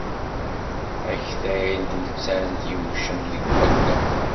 Aktay n tmettant yewcem deg wallaɣ.